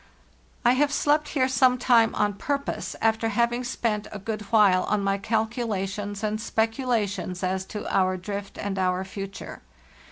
"T have slept here some time on purpose, after hav ing spent a good while on my calculations and specula tions as to our drift and our future.